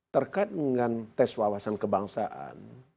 terkait dengan tes wawasan kebangsaan